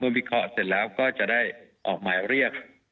วิเคราะห์เสร็จแล้วก็จะได้ออกหมายเรียก